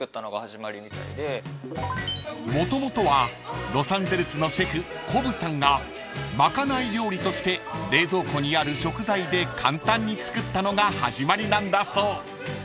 ［もともとはロサンゼルスのシェフコブさんが賄い料理として冷蔵庫にある食材で簡単に作ったのが始まりなんだそう］